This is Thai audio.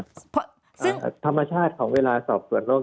ซึ่งธรรมชาติของเวลาสอบต่วนโรค